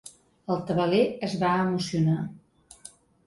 El tabaler es va emocionar.